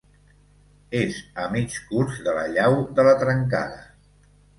És a mig curs de la llau de la Trencada.